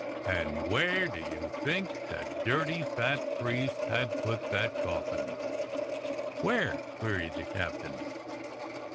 And where do you think that dirty fat priest had put that coffin .^^" "Where?" queried the captain.